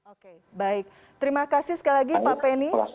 oke baik terima kasih sekali lagi pak penny